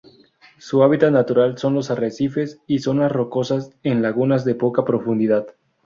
Su hábitat natural son los arrecifes y zonas rocosas en lagunas de poca profundidad.